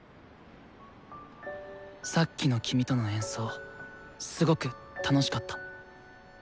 さっきの君との演奏すごく楽しかった。